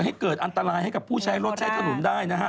ให้เกิดอันตรายให้กับผู้ใช้รถใช้ถนนได้นะฮะ